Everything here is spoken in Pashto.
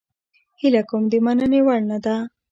هیله کوم د مننې وړ نه ده.